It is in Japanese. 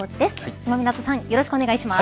今湊さんよろしくお願いします。